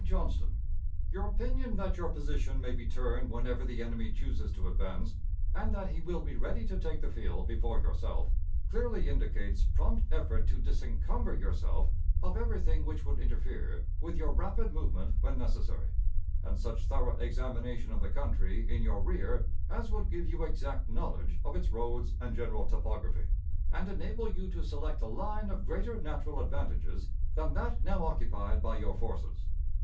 Johnston: ... Your opinion that your position may be turned whenever the enemy chooses to advance, and that he will be ready to take the field before yourself, clearly indicates prompt effort to disencumber yourself of everything which would interfere with your rapid movement when necessary, and such thorough examination of the country in your rear as would give you exact knowledge of its roads and general topography, and enable you to select a line of greater natural advantages than that now occupied by your forces.